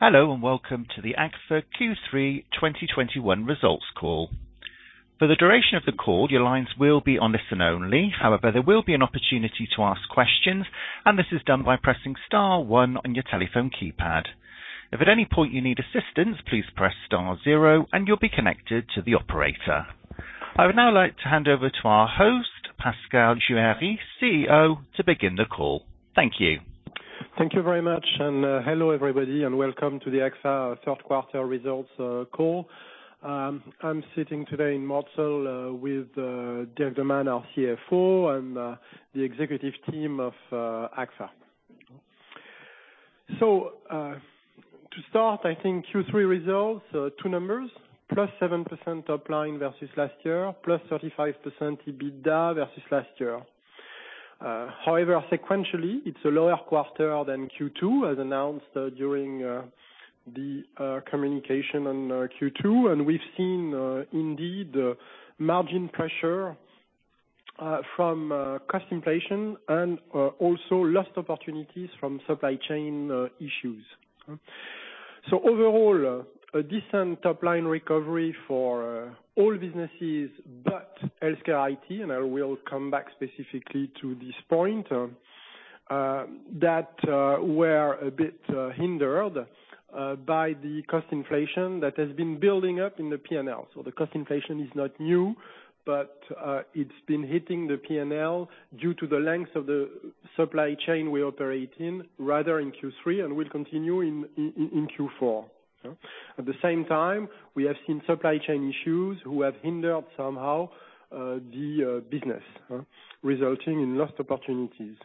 Hello, and welcome to the Agfa-Gevaert Q3 2021 results call. For the duration of the call, your lines will be on listen only. However, there will be an opportunity to ask questions, and this is done by pressing star one on your telephone keypad. If at any point you need assistance, please press star zero, and you'll be connected to the operator. I would now like to hand over to our host, Pascal Juéry, CEO, to begin the call. Thank you. Thank you very much. Hello, everybody, and welcome to the Agfa-Gevaert quarter results call. I'm sitting today in Mortsel with Dirk De Man, our CFO, and the executive team of Agfa-Gevaert. To start, I think Q3 results, two numbers, +7% top line versus last year, +35% EBITDA versus last year. However, sequentially, it's a lower quarter than Q2, as announced during the communication on Q2, and we've seen indeed margin pressure from cost inflation and also lost opportunities from supply chain issues. Overall, a decent top-line recovery for all businesses but HealthCare IT, and I will come back specifically to this point, were a bit hindered by the cost inflation that has been building up in the P&L. The cost inflation is not new, but it's been hitting the P&L due to the length of the supply chain we operate in, rather in Q3 and will continue in Q4. At the same time, we have seen supply chain issues who have hindered somehow the business, resulting in lost opportunities.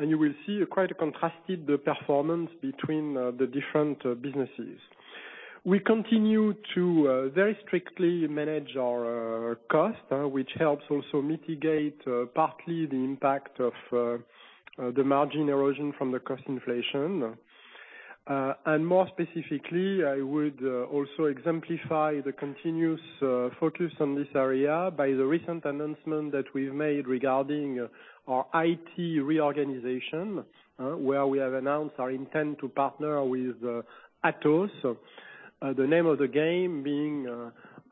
You will see quite a contrasted performance between the different businesses. We continue to very strictly manage our cost, which helps also mitigate partly the impact of the margin erosion from the cost inflation. More specifically, I would also exemplify the continuous focus on this area by the recent announcement that we've made regarding our IT reorganization, where we have announced our intent to partner with Atos. The name of the game being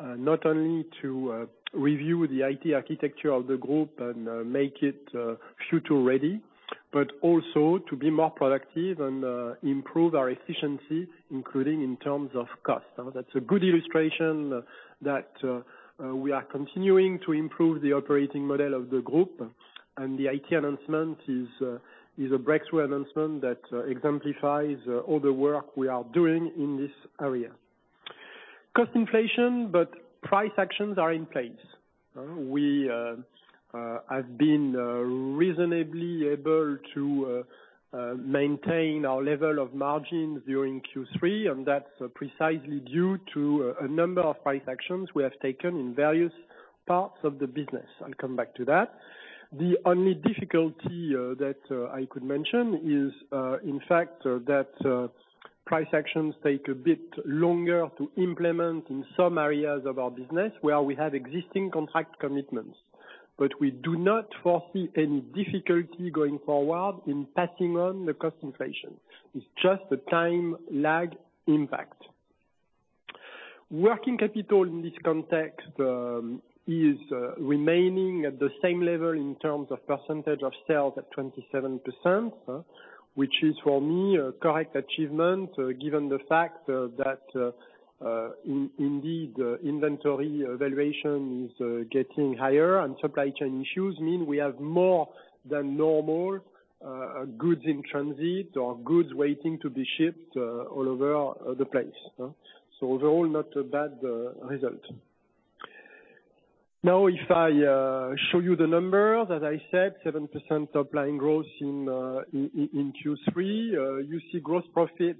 not only to review the IT architecture of the group and make it future ready, but also to be more productive and improve our efficiency, including in terms of cost. Now, that's a good illustration that we are continuing to improve the operating model of the group, and the IT announcement is a breakthrough announcement that exemplifies all the work we are doing in this area. Cost inflation. Price actions are in place. We have been reasonably able to maintain our level of margins during Q3, and that's precisely due to a number of price actions we have taken in various parts of the business. I'll come back to that. The only difficulty that I could mention is, in fact, that price actions take a bit longer to implement in some areas of our business where we have existing contract commitments. We do not foresee any difficulty going forward in passing on the cost inflation. It's just a time lag impact. Working capital in this context is remaining at the same level in terms of percentage of sales at 27%, which is for me a correct achievement, given the fact that indeed inventory valuation is getting higher and supply chain issues mean we have more than normal goods in transit or goods waiting to be shipped all over the place. Overall, not a bad result. Now, if I show you the number, as I said, 7% top line growth in Q3. You see gross profit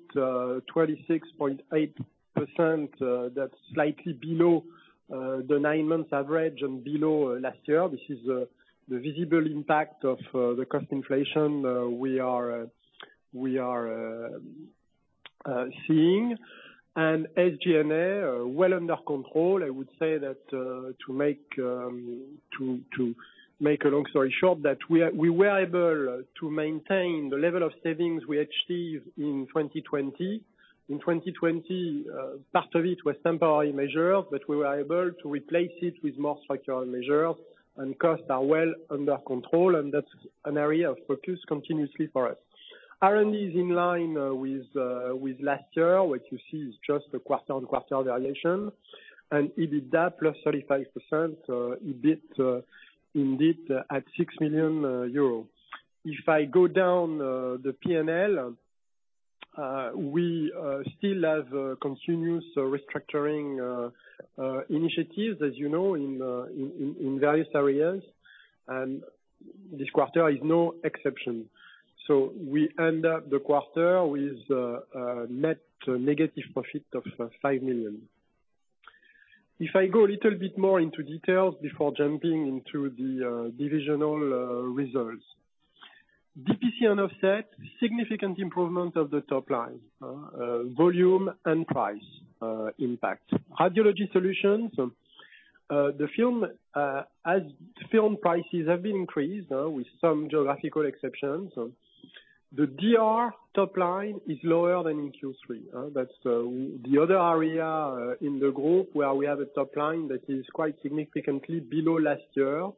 26.8%. That's slightly below the nine months average and below last year. This is the visible impact of the cost inflation we are seeing. SG&A are well under control. I would say that to make a long story short, that we were able to maintain the level of savings we achieved in 2020. In 2020, part of it was temporary measure, but we were able to replace it with more structural measure, and costs are well under control, and that's an area of focus continuously for us. R&D is in line with last year. What you see is just the quarter-on-quarter variation. EBITDA +35%, EBITDA indeed at 6 million euro. If I go down the P&L, we still have continuous restructuring initiatives, as you know, in various areas, and this quarter is no exception. We end up the quarter with a net negative profit of 5 million. If I go a little bit more into details before jumping into the divisional results. DP&C and Offset, significant improvement of the top line, volume and price impact. Radiology Solutions. The film prices have been increased with some geographical exceptions. The DR top line is lower than in Q3. That's the other area in the group where we have a top line that is quite significantly below last year.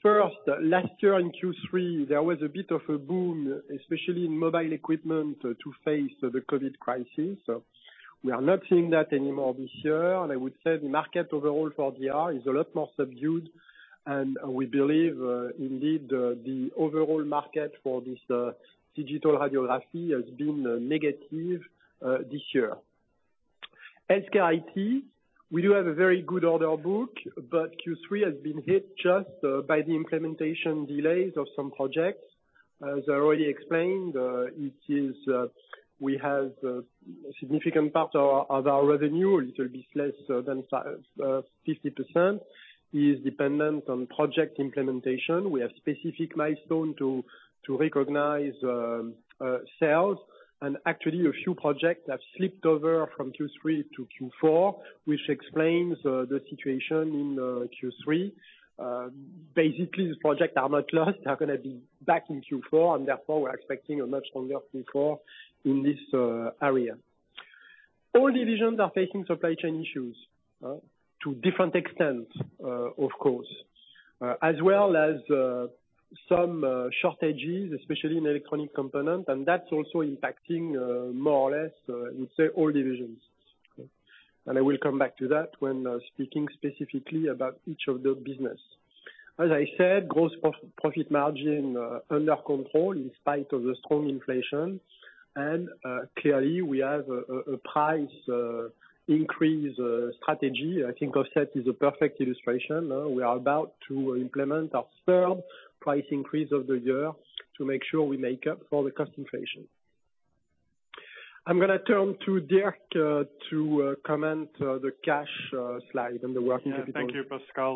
First, last year in Q3, there was a bit of a boom, especially in mobile equipment to face the COVID crisis. So we are not seeing that anymore this year. I would say the market overall for DR is a lot more subdued, and we believe indeed the overall market for this digital radiography has been negative this year. HealthCare IT, we do have a very good order book, but Q3 has been hit just by the implementation delays of some projects. As I already explained, we have a significant part of our revenue, it will be less than 50%, is dependent on project implementation. We have specific milestone to recognize sales. Actually a few projects have slipped over from Q3 to Q4, which explains the situation in Q3. Basically, the projects are not lost, they're gonna be back in Q4, and therefore we're expecting a much stronger Q4 in this area. All divisions are facing supply chain issues to different extents, of course, as well as some shortages, especially in electronic component, and that's also impacting more or less, let's say all divisions. I will come back to that when speaking specifically about each of the business. As I said, gross profit margin under control in spite of the strong inflation. Clearly, we have a price increase strategy. I think Offset is a perfect illustration. We are about to implement our third price increase of the year to make sure we make up for the cost inflation. I'm gonna turn to Dirk to comment on the cash slide and the working capital. Thank you, Pascal.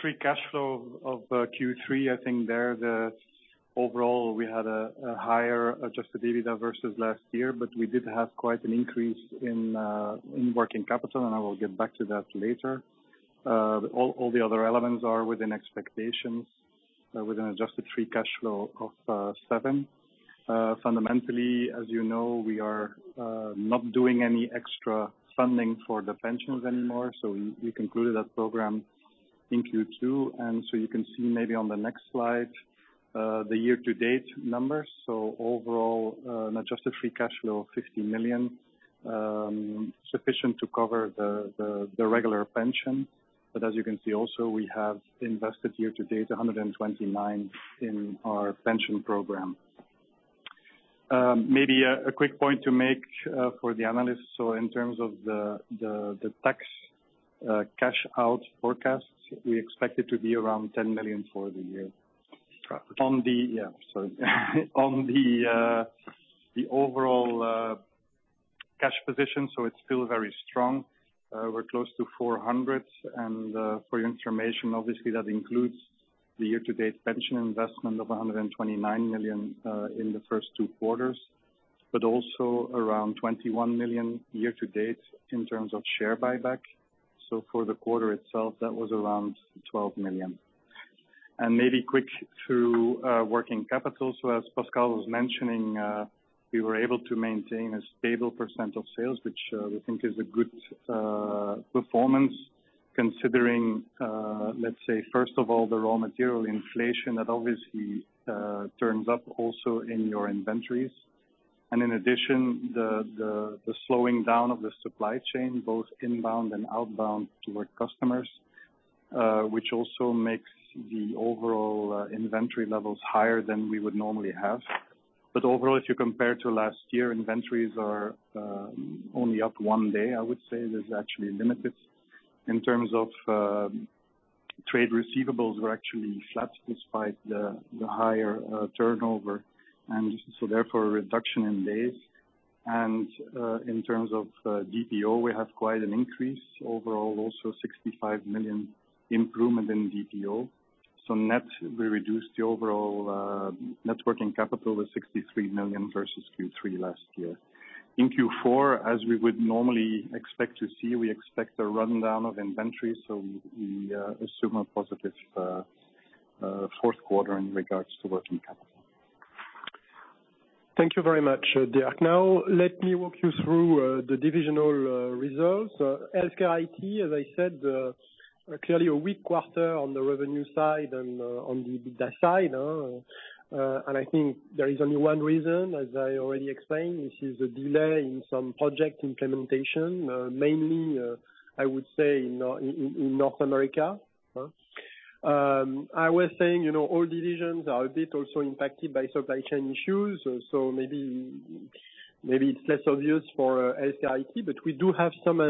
Free cash flow of Q3, I think there the overall we had a higher adjusted EBITDA versus last year, but we did have quite an increase in working capital, and I will get back to that later. All the other elements are within expectations with an adjusted free cash flow of 7 million. Fundamentally, as you know, we are not doing any extra funding for the pensions anymore, so we concluded that program in Q2. You can see maybe on the next slide the year-to-date numbers. Overall, an adjusted free cash flow of 50 million sufficient to cover the regular pension. As you can see also we have invested year to date 129 million in our pension program. Maybe a quick point to make for the analysts. In terms of the tax cash out forecast, we expect it to be around 10 million for the year. On the overall cash position, it's still very strong. We're close to 400 million. For your information, obviously, that includes the year to date pension investment of 129 million in the first two quarters, but also around 21 million year to date in terms of share buyback. For the quarter itself, that was around 12 million. Maybe quick to working capital. As Pascal was mentioning, we were able to maintain a stable percent of sales, which we think is a good performance considering, let's say first of all, the raw material inflation that obviously turns up also in your inventories. In addition, the slowing down of the supply chain, both inbound and outbound to our customers, which also makes the overall inventory levels higher than we would normally have. Overall, if you compare to last year, inventories are only up one day, I would say. That's actually limited. In terms of trade receivables, we're actually flat despite the higher turnover, and so therefore a reduction in days. In terms of DPO, we have quite an increase. Overall, also 65 million improvement in DPO. Net, we reduced the overall net working capital to 63 million versus Q3 last year. In Q4, as we would normally expect to see, we expect a rundown of inventory. We assume a positive fourth quarter in regards to working capital. Thank you very much, Dirk. Now, let me walk you through the divisional results. HealthCare IT, as I said, clearly a weak quarter on the revenue side and on the EBITDA side, and I think there is only one reason, as I already explained, which is the delay in some project implementation, mainly, I would say in North America. I was saying, you know, all divisions are a bit also impacted by supply chain issues. So maybe it's less obvious for HIT, but we do have some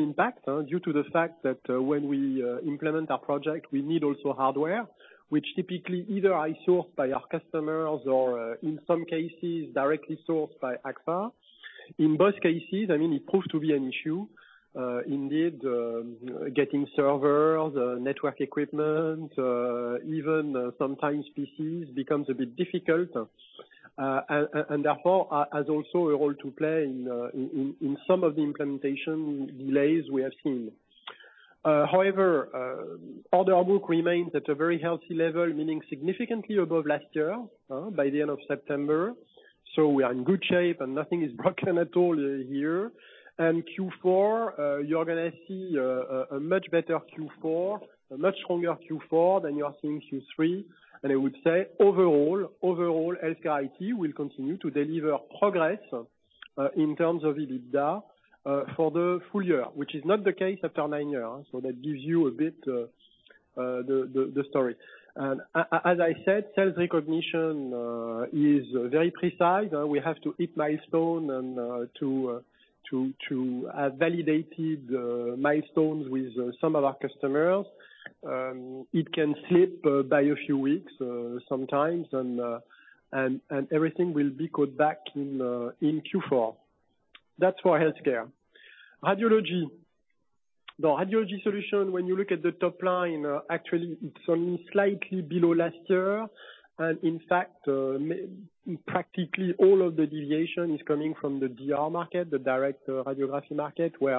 impact due to the fact that when we implement our project, we need also hardware, which typically either are sourced by our customers or in some cases directly sourced by Agfa-Gevaert. In both cases, I mean, it proved to be an issue. Getting servers, network equipment, even sometimes PCs becomes a bit difficult and therefore has also a role to play in some of the implementation delays we have seen. However, order book remains at a very healthy level, meaning significantly above last year by the end of September. We are in good shape and nothing is broken at all here. Q4, you're gonna see a much better Q4, a much stronger Q4 than you are seeing Q3. I would say overall HealthCare IT will continue to deliver progress in terms of EBITDA for the full year. Which is not the case after nine years, so that gives you a bit the story. As I said, sales recognition is very precise. We have to hit milestone and to have validated milestones with some of our customers. It can slip by a few weeks sometimes, and everything will be caught back in Q4. That's for HealthCare. Radiology. The Radiology Solutions when you look at the top line, actually it's only slightly below last year. In fact, practically all of the deviation is coming from the DR market, the digital radiography market, where,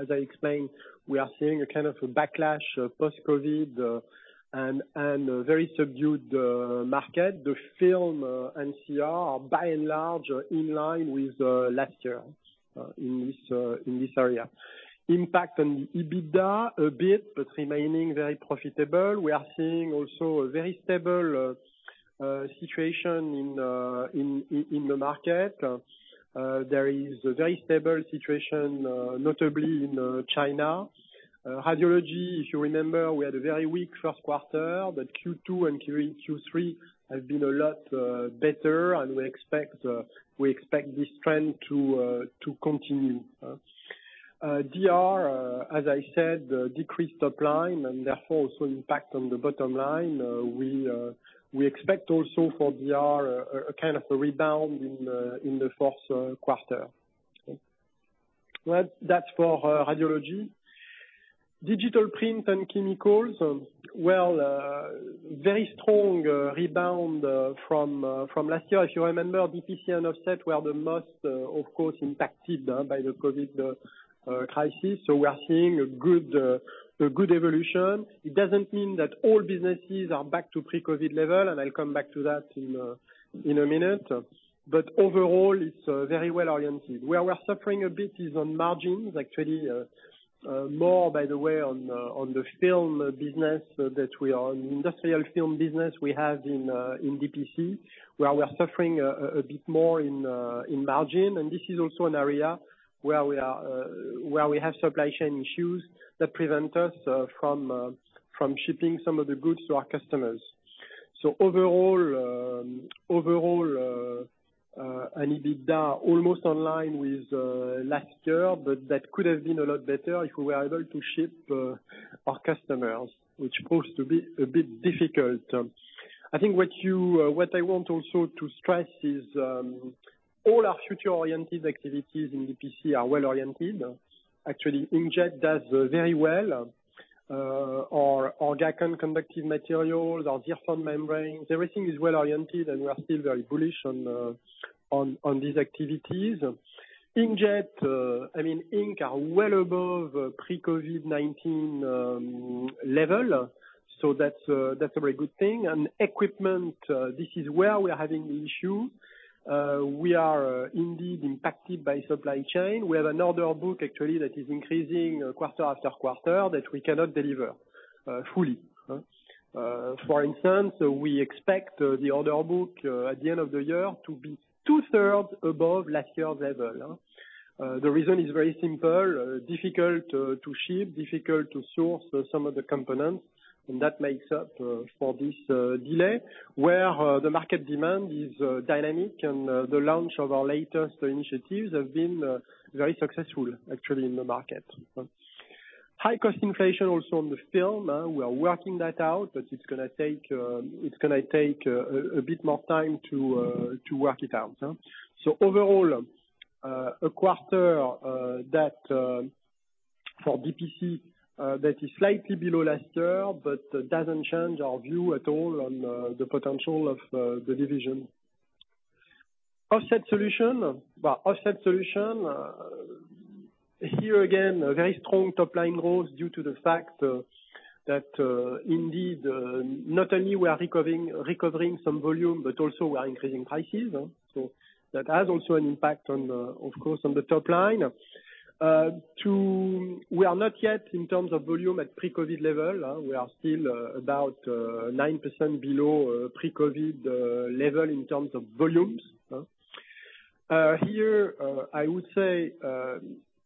as I explained, we are seeing a kind of a backlash post-COVID, and a very subdued market. The film CR are by and large in line with last year in this area. Impact on EBITDA, a bit, but remaining very profitable. We are seeing also a very stable situation in the market. There is a very stable situation notably in China. Radiology, if you remember, we had a very weak Q1, but Q2 and Q3 have been a lot better and we expect this trend to continue. DR, as I said, decreased top line and therefore also impact on the bottom line. We expect also for DR a kind of a rebound in the fourth quarter. Well, that's for radiology. Digital Print and Chemicals. Well, very strong rebound from last year. If you remember, DP&C and Offset were the most, of course, impacted by the COVID crisis. We are seeing a good evolution. It doesn't mean that all businesses are back to pre-COVID level, and I'll come back to that in a minute. Overall it's very well oriented. Where we're suffering a bit is on margins. Actually, more by the way on the film business an industrial film business we have in DP&C, where we are suffering a bit more in margin. This is also an area where we have supply chain issues that prevent us from shipping some of the goods to our customers. Overall, an EBITDA almost in line with last year, but that could have been a lot better if we were able to ship to our customers, which proves to be a bit difficult. I think what I want also to stress is all our future-oriented activities in DP&C are well-oriented. Actually, inkjet does very well. Our ORGACON conductive materials, our ZIRFON membranes, everything is well-oriented, and we are still very bullish on these activities. Inkjet, I mean, inks are well above pre-COVID-19 level, so that's a very good thing. Equipment, this is where we are having the issue. We are indeed impacted by supply chain. We have an order book actually that is increasing quarter-after-quarter that we cannot deliver fully. For instance, we expect the order book at the end of the year to be two-thirds above last year's level. The reason is very simple, difficult to ship, difficult to source some of the components, and that makes up for this delay, where the market demand is dynamic and the launch of our latest initiatives have been very successful actually in the market. High cost inflation also on the film, we are working that out, but it's gonna take a bit more time to work it out. Overall, a quarter for DP&C that is slightly below last year but doesn't change our view at all on the potential of the division. Offset Solutions. Well, Offset Solutions, here again, a very strong top-line growth due to the fact that, indeed, not only we are recovering some volume, but also we are increasing prices, so that has also an impact on, of course, on the top line. We are not yet in terms of volume at pre-COVID level. We are still about 9% below pre-COVID level in terms of volumes. Here, I would say,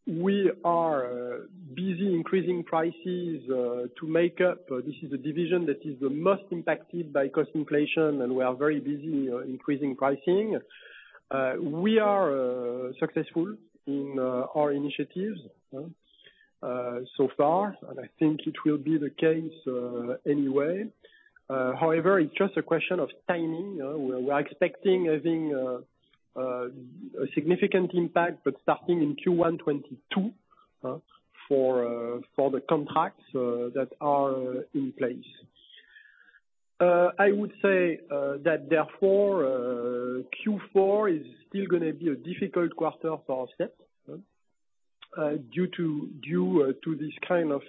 we are busy increasing prices to make up. This is the division that is the most impacted by cost inflation, and we are very busy increasing pricing. We are successful in our initiatives so far, and I think it will be the case anyway. However, it's just a question of timing, where we are expecting a significant impact, but starting in Q1 2022, for the contracts that are in place. I would say that therefore, Q4 is still gonna be a difficult quarter for Offset, due to this kind of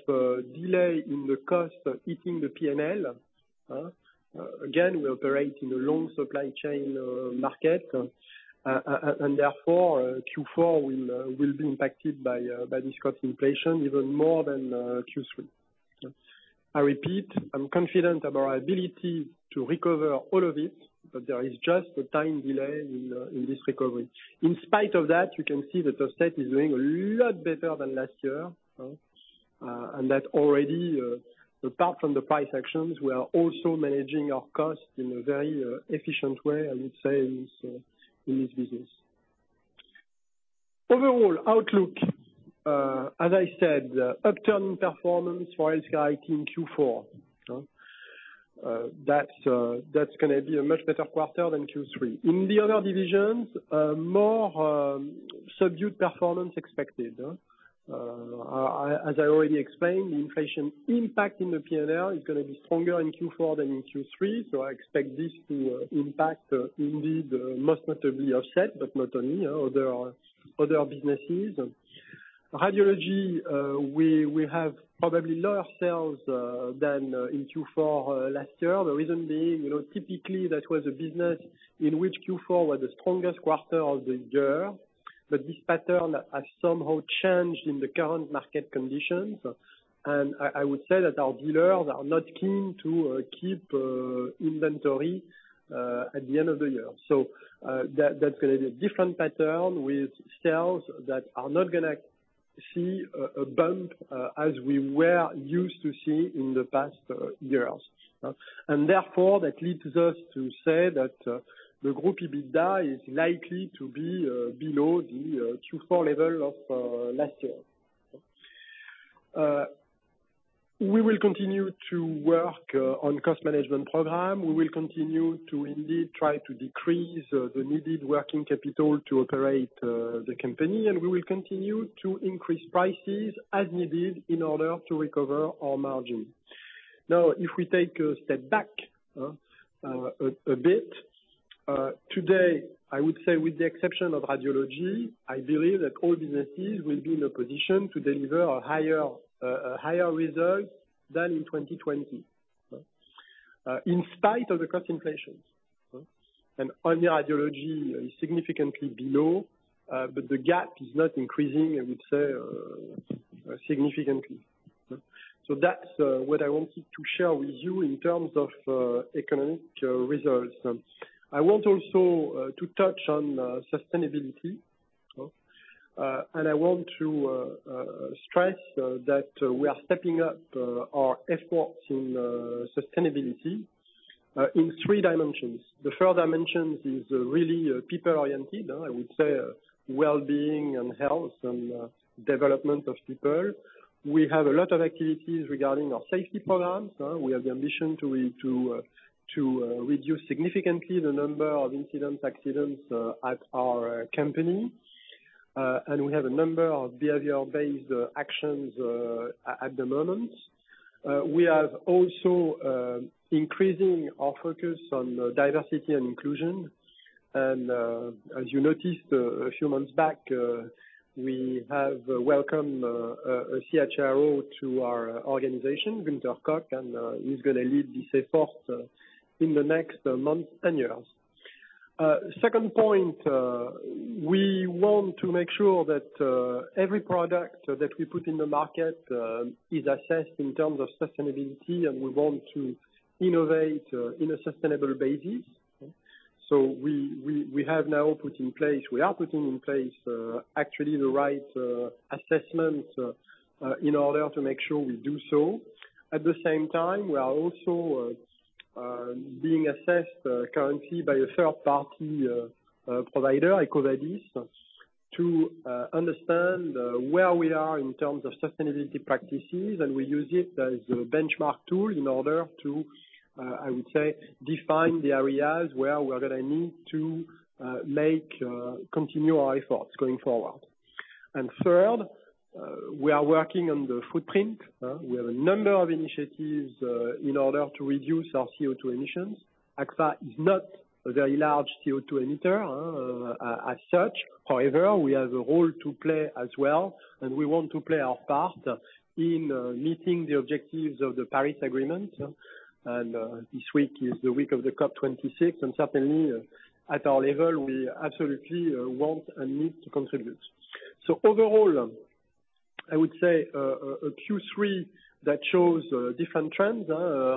delay in the cost hitting the P&L. Again, we operate in a long supply chain market, and therefore Q4 will be impacted by this cost inflation even more than Q3. I repeat, I'm confident of our ability to recover all of it, but there is just a time delay in this recovery. In spite of that, you can see that the segment is doing a lot better than last year, and that already, apart from the price actions, we are also managing our costs in a very efficient way, I would say, in this business. Overall outlook, as I said, upturn performance for [inaudible] in Q4, that's gonna be a much better quarter than Q3. In the other divisions, more subdued performance expected, as I already explained, the inflation impact in the P&L is gonna be stronger in Q4 than in Q3, so I expect this to impact, indeed, most notably Offset, but not only, you know, other businesses. Radiology, we have probably lower sales than in Q4 last year. The reason being, you know, typically that was a business in which Q4 was the strongest quarter of the year, but this pattern has somehow changed in the current market conditions. I would say that our dealers are not keen to keep inventory at the end of the year. That's gonna be a different pattern with sales that are not gonna see a bump as we were used to see in the past years. Therefore, that leads us to say that the group EBITDA is likely to be below the Q4 level of last year. We will continue to work on cost management program. We will continue to indeed try to decrease the needed working capital to operate the company. We will continue to increase prices as needed in order to recover our margin. Now, if we take a step back a bit, today, I would say with the exception of Radiology, I believe that all businesses will be in a position to deliver higher results than in 2020 in spite of the cost inflations. On the Radiology is significantly below, but the gap is not increasing, I would say, significantly. That's what I wanted to share with you in terms of economic results. I want also to touch on sustainability. I want to stress that we are stepping up our efforts in sustainability in three dimensions. The first dimension is really people-oriented, I would say, well-being and health and development of people. We have a lot of activities regarding our safety programs. We have the ambition to reduce significantly the number of incidents, accidents at our company. We have a number of behavior-based actions at the moment. We have also increasing our focus on diversity and inclusion. As you noticed a few months back, we have welcomed a CHRO to our organization, Gunther Koch, and he's gonna lead this effort in the next month, ten years. Second point, we want to make sure that every product that we put in the market is assessed in terms of sustainability, and we want to innovate in a sustainable basis. We are putting in place actually the right assessments in order to make sure we do so. At the same time, we are also being assessed currently by a third party provider, EcoVadis, to understand where we are in terms of sustainability practices. We use it as a benchmark tool in order to, I would say, define the areas where we're gonna need to make continue our efforts going forward. Third, we are working on the footprint. We have a number of initiatives in order to reduce our CO2 emissions. Agfa-Gevaert is not a very large CO2 emitter as such. However, we have a role to play as well, and we want to play our part in meeting the objectives of the Paris Agreement. This week is the week of the COP26, and certainly at our level, we absolutely want and need to contribute. Overall, I would say a Q3 that shows different trends.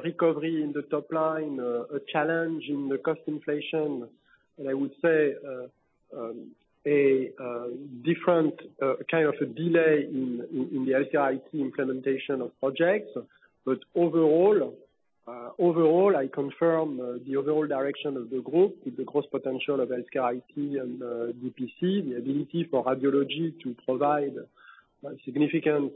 Recovery in the top line, a challenge in the cost inflation, and I would say a different kind of a delay in the [inaudible] implementation of projects. Overall, I confirm the overall direction of the group with the growth potential of HealthCare IT and DP&C, the ability for Radiology to provide a significant,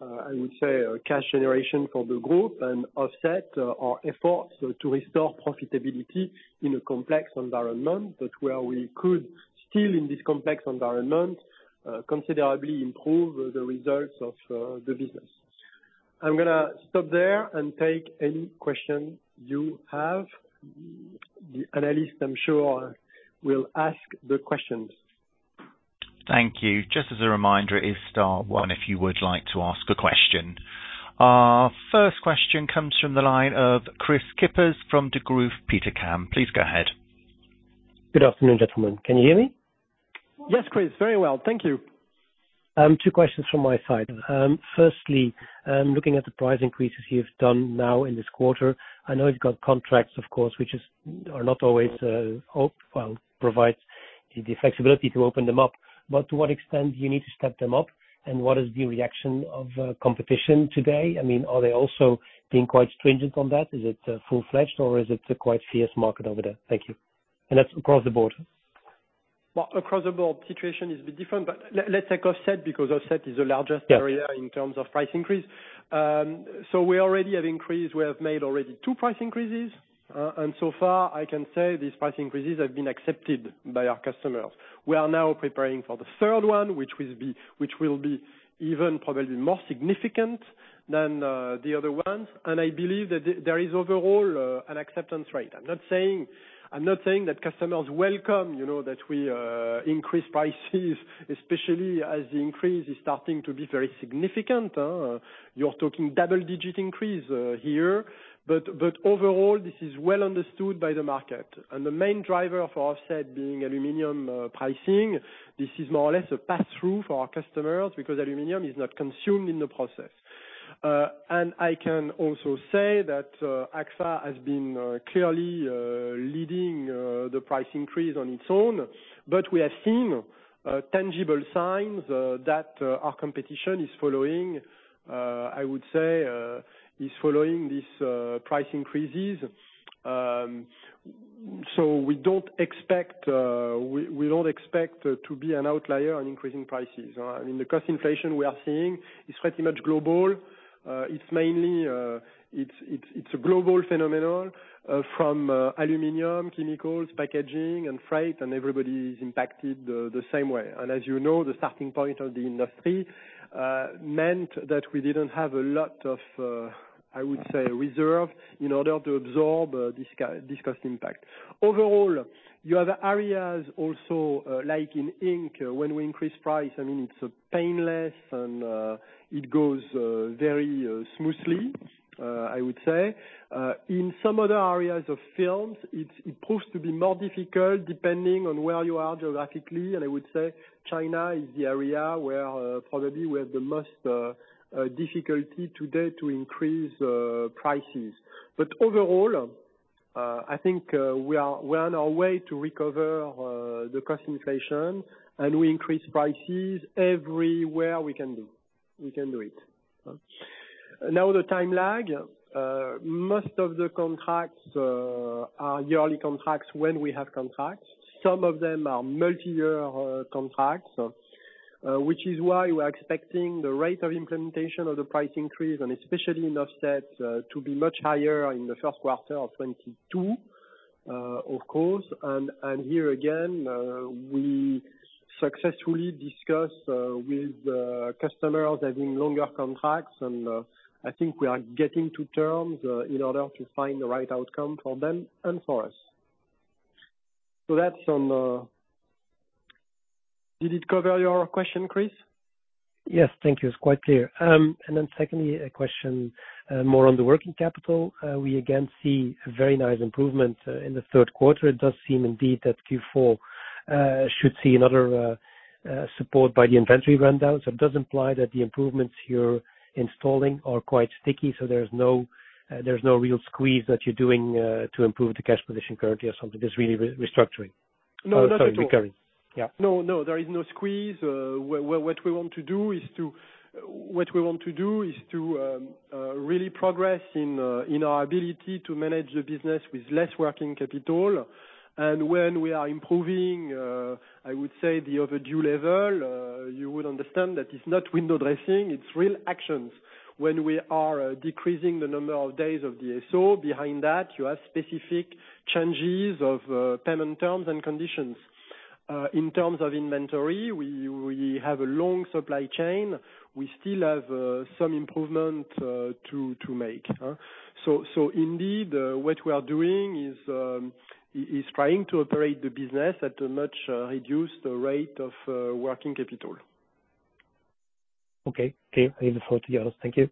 I would say, cash generation for the group and Offset, our efforts to restore profitability in a complex environment, but where we could still, in this complex environment, considerably improve the results of the business. I'm gonna stop there and take any question you have. The analyst, I'm sure, will ask the questions. Thank you. Just as a reminder, it's star one if you would like to ask a question. Our first question comes from the line of Kris Kippers from Degroof Petercam. Please go ahead. Good afternoon, gentlemen. Can you hear me? Yes, Kris. Very well. Thank you. Two questions from my side. Firstly, looking at the price increases you've done now in this quarter, I know you've got contracts, of course, which are not always provides the flexibility to open them up. But to what extent do you need to step them up and what is the reaction of competition today? I mean, are they also being quite stringent on that? Is it full-fledged or is it a quite fierce market over there? Thank you. That's across the board. Well, across the board situation is a bit different, but let's take Offset because Offset is the largest. Yeah. The area in terms of price increase. We have made already two price increases, and so far I can say these price increases have been accepted by our customers. We are now preparing for the third one, which will be even probably more significant than the other ones. I believe that there is overall an acceptance rate. I'm not saying that customers welcome, you know, that we increase prices, especially as the increase is starting to be very significant. You're talking double-digit increase here. Overall, this is well understood by the market. The main driver for Offset being aluminum pricing, this is more or less a pass-through for our customers because aluminum is not consumed in the process. I can also say that Agfa-Gevaert has been clearly leading the price increase on its own. We have seen tangible signs that our competition is following, I would say, these price increases. We don't expect to be an outlier on increasing prices. I mean, the cost inflation we are seeing is pretty much global. It's mainly a global phenomenon from aluminum, chemicals, packaging and freight, and everybody is impacted the same way. As you know, the starting point of the industry meant that we didn't have a lot of, I would say, reserve in order to absorb this cost impact. Overall, your other areas also, like in ink, when we increase price, I mean, it's painless and it goes very smoothly, I would say. In some other areas of films, it proves to be more difficult depending on where you are geographically. I would say China is the area where probably we have the most difficulty today to increase prices. Overall, I think we are on our way to recover the cost inflation, and we increase prices everywhere we can do. We can do it. Now, the time lag, most of the contracts are yearly contracts when we have contracts. Some of them are multi-year contracts, which is why we're expecting the rate of implementation of the price increase, and especially in offsets, to be much higher in the first quarter of 2022, of course. Here again, we successfully discussed with the customers having longer contracts, and I think we are coming to terms in order to find the right outcome for them and for us. That's on. Did it cover your question, Chris? Yes. Thank you. It's quite clear. Secondly, a question more on the working capital. We again see a very nice improvement in the third quarter. It does seem indeed that Q4 should see another support by the inventory rundown. It does imply that the improvements you're installing are quite sticky, so there's no real squeeze that you're doing to improve the cash position currently or something. Just really restructuring. No, not at all. Sorry, recurring. Yeah. No, no, there is no squeeze. What we want to do is to really progress in our ability to manage the business with less working capital. When we are improving, I would say the overdue level, you would understand that it's not window dressing, it's real actions. When we are decreasing the number of days of the DSO behind that, you have specific changes of payment terms and conditions. In terms of inventory, we have a long supply chain. We still have some improvement to make. Indeed, what we are doing is trying to operate the business at a much reduced rate of working capital. Okay. Clear. I look forward to the others. Thank you.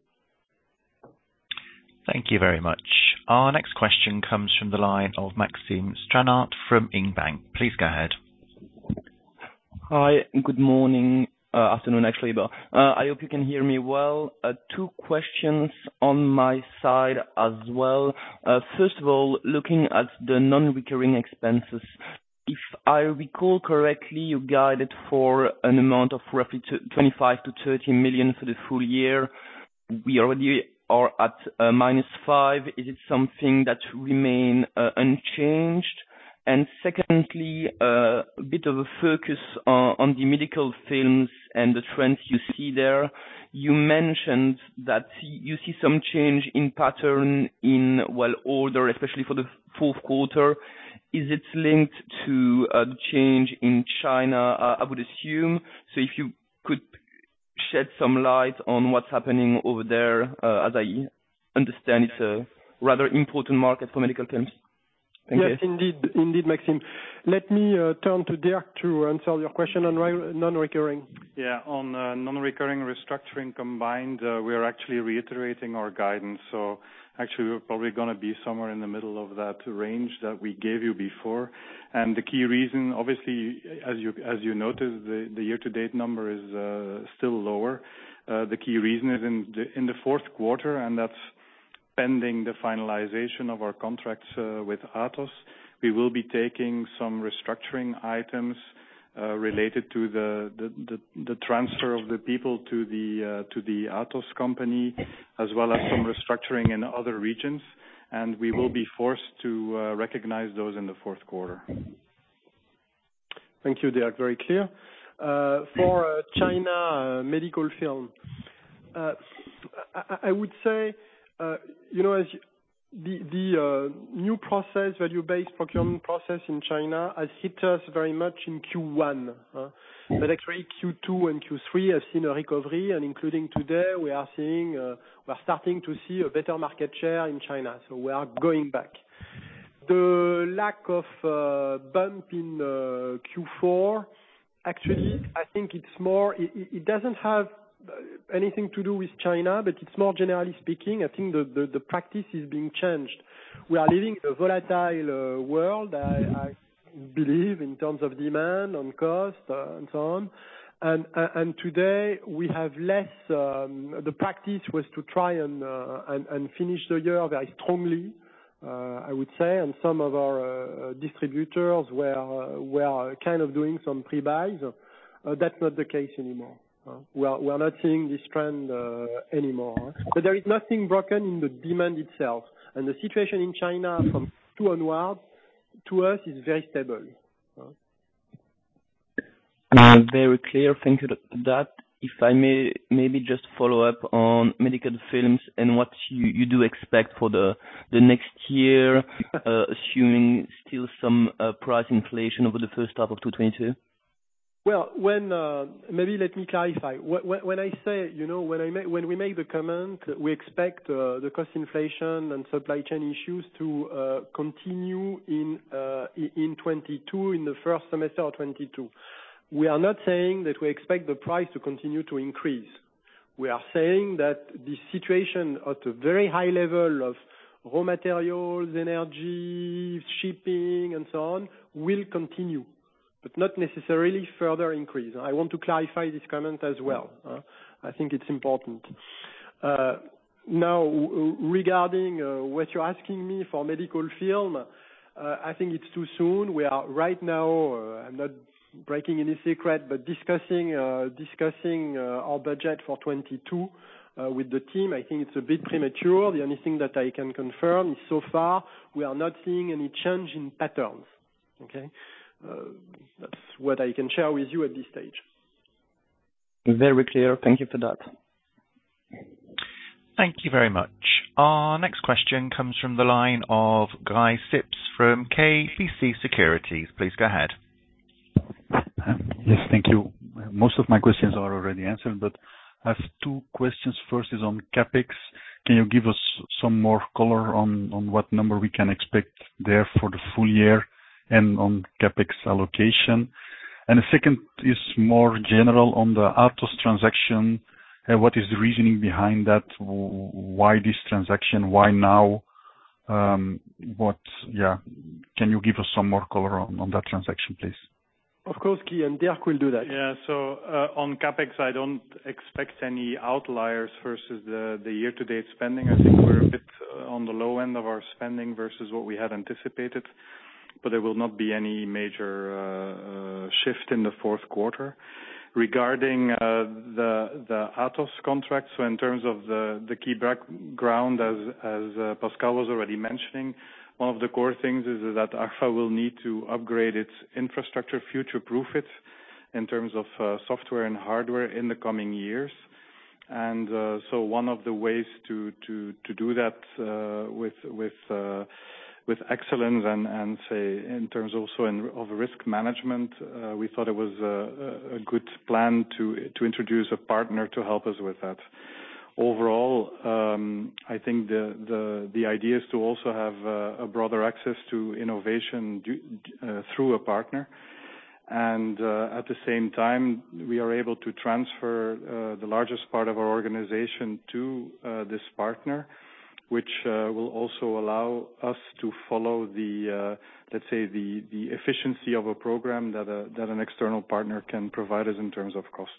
Thank you very much. Our next question comes from the line of Maxime Stranart from ING Bank. Please go ahead. Hi. Good morning, afternoon actually. I hope you can hear me well. Two questions on my side as well. First of all, looking at the non-recurring expenses, if I recall correctly, you guided for an amount of roughly 25 million to 30 million for the full year. We already are at -5 million. Is it something that remain unchanged? Secondly, a bit of a focus on the medical films and the trends you see there. You mentioned that you see some change in pattern in, well, order, especially for the fourth quarter. Is it linked to the change in China, I would assume? So, if you could shed some light on what's happening over there, as I understand it's a rather important market for medical films. Thank you. Yes, indeed, Maxime. Let me turn to Dirk to answer your question on non-recurring. Yeah, on non-recurring restructuring combined, we are actually reiterating our guidance. Actually, we're probably gonna be somewhere in the middle of that range that we gave you before. The key reason, obviously, as you noted, the year-to-date number is still lower. The key reason is in the fourth quarter, and that's pending the finalization of our contracts with Atos. We will be taking some restructuring items related to the transfer of the people to the Atos company, as well as some restructuring in other regions, and we will be forced to recognize those in the fourth quarter. Thank you, Dirk. Very clear. For China medical film, I would say, you know, as the new process, value-based procurement process in China has hit us very much in Q1, but actually Q2 and Q3 have seen a recovery. Including today, we are seeing, we're starting to see a better market share in China. We are going back. The lack of bump in Q4, actually, I think it's more it doesn't have anything to do with China, but it's more generally speaking, I think the practice is being changed. We are living a volatile world, I believe, in terms of demand, on cost, and so on. Today we have less. The practice was to try and finish the year very strongly, I would say, and some of our distributors were kind of doing some pre-buys. That's not the case anymore. We are not seeing this trend anymore. There is nothing broken in the demand itself. The situation in China from Q2 onward to us is very stable. Very clear. Thank you for that. If I may, maybe just follow up on medical films and what you do expect for the next year, assuming still some price inflation over the first half of 2022. Well, when... Maybe let me clarify. When I say, you know, when we make the comment, we expect the cost inflation and supply chain issues to continue in 2022, in the first semester of 2022. We are not saying that we expect the price to continue to increase. We are saying that the situation at a very high level of raw materials, energy, shipping, and so on, will continue, but not necessarily further increase. I want to clarify this comment as well. I think it's important. Now, regarding what you're asking me for medical film, I think it's too soon. We are right now, I'm not breaking any secret, but discussing our budget for 2022 with the team. I think it's a bit premature. The only thing that I can confirm is so far, we are not seeing any change in patterns. Okay? That's what I can share with you at this stage. Very clear. Thank you for that. Thank you very much. Our next question comes from the line of Guy Sips from KBC Securities. Please go ahead. Yes, thank you. Most of my questions are already answered, but I have two questions. First is on CapEx. Can you give us some more color on what number we can expect there for the full year and on CapEx allocation? The second is more general on the Atos transaction. What is the reasoning behind that? Why this transaction? Why now? Can you give us some more color on that transaction, please? Of course, Guy, and Dirk will do that. Yeah. On CapEx, I don't expect any outliers versus the year-to-date spending. I think we're a bit on the low end of our spending versus what we had anticipated, but there will not be any major shift in the fourth quarter. Regarding the Atos contract, in terms of the key background as Pascal was already mentioning, one of the core things is that Agfa-Gevaert will need to upgrade its infrastructure, future-proof it in terms of software and hardware in the coming years. One of the ways to do that with excellence and, say, in terms also of risk management, we thought it was a good plan to introduce a partner to help us with that. Overall, I think the idea is to also have a broader access to innovation through a partner. At the same time, we are able to transfer the largest part of our organization to this partner, which will also allow us to follow the, let's say the efficiency of a program that an external partner can provide us in terms of costs.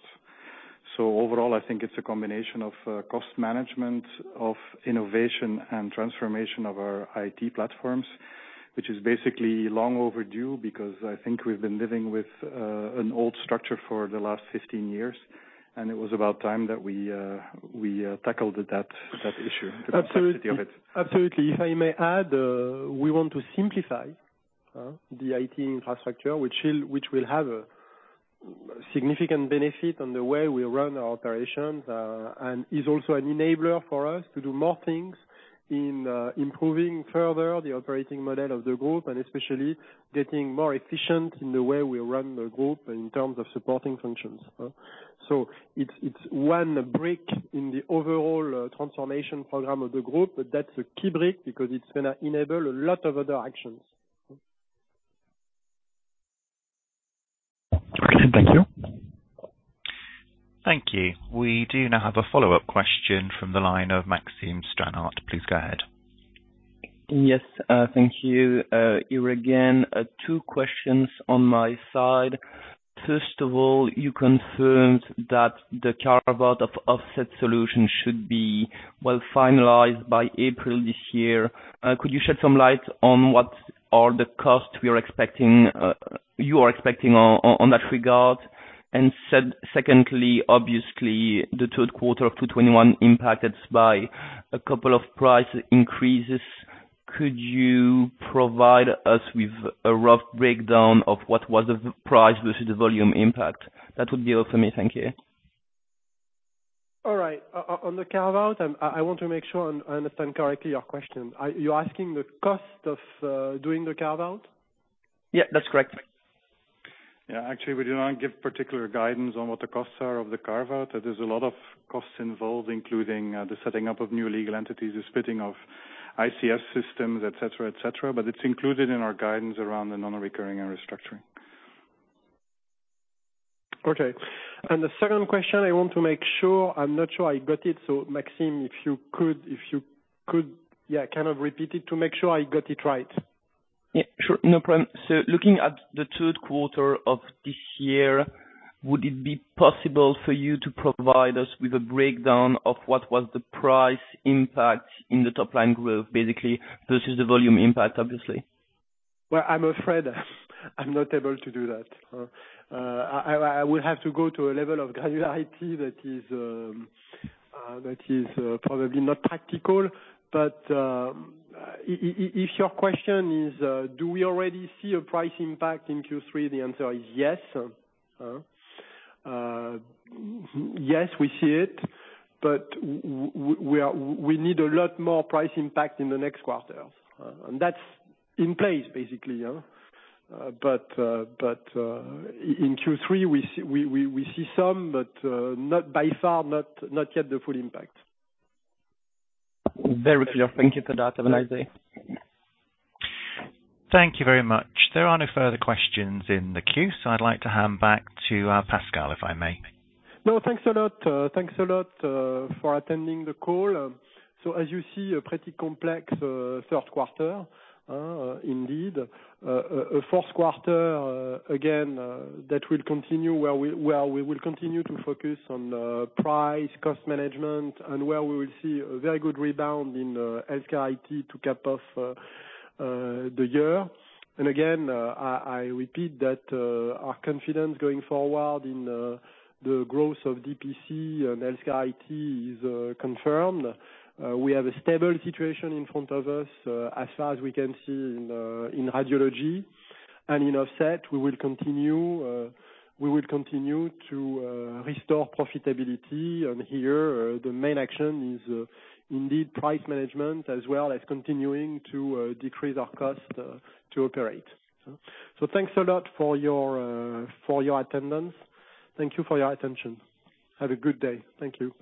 Overall, I think it's a combination of cost management, of innovation, and transformation of our IT platforms, which is basically long overdue because I think we've been living with an old structure for the last 15 years. It was about time that we tackled that issue. Absolutely. If I may add, we want to simplify the IT infrastructure, which will have a significant benefit on the way we run our operations, and is also an enabler for us to do more things in improving further the operating model of the group, and especially getting more efficient in the way we run the group in terms of supporting functions. It's one brick in the overall transformation program of the group, but that's a key brick because it's gonna enable a lot of other actions. Thank you. Thank you. We do now have a follow-up question from the line of Maxime Stranart. Please go ahead. Yes, thank you. Here again, two questions on my side. First of all, you confirmed that the carve-out of Offset Solutions should be well finalized by April this year. Could you shed some light on what are the costs we are expecting, you are expecting on that regard? Secondly, obviously, the third quarter of 2021 impacted by a couple of price increases. Could you provide us with a rough breakdown of what was the price versus the volume impact? That would be all for me. Thank you. All right. On the carve-out, I want to make sure I understand correctly your question. Are you asking the cost of doing the carve-out? Yeah, that's correct. Yeah. Actually, we do not give particular guidance on what the costs are of the carve-out. There's a lot of costs involved, including the setting up of new legal entities, the splitting of ICS systems, et cetera, et cetera. It's included in our guidance around the non-recurring and restructuring. Okay. The second question, I want to make sure. I'm not sure I got it. Maxime, if you could, yeah, kind of repeat it to make sure I got it right. Yeah, sure. No problem. Looking at the third quarter of this year, would it be possible for you to provide us with a breakdown of what was the price impact in the top line growth, basically, versus the volume impact, obviously? Well, I'm afraid I'm not able to do that. I will have to go to a level of granularity that is probably not practical. If your question is do we already see a price impact in Q3? The answer is yes. Yes, we see it, but we need a lot more price impact in the next quarters. That's in place, basically, yeah. In Q3, we see some, but not by far, not yet the full impact. Very clear. Thank you for that. Have a nice day. Thank you very much. There are no further questions in the queue, so I'd like to hand back to Pascal, if I may. No, thanks a lot. Thanks a lot for attending the call. As you see, a pretty complex first quarter indeed. A fourth quarter, again, that will continue where we will continue to focus on price cost management, and where we will see a very good rebound in HealthCare IT to cap off the year. I repeat that our confidence going forward in the growth of DP&C and HealthCare IT is confirmed. We have a stable situation in front of us, as far as we can see in radiology and in Offset. We will continue to restore profitability here. The main action is indeed price management as well as continuing to decrease our cost to operate. Thanks a lot for your attendance. Thank you for your attention. Have a good day. Thank you.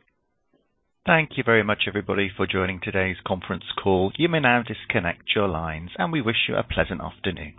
Thank you very much, everybody, for joining today's conference call. You may now disconnect your lines, and we wish you a pleasant afternoon.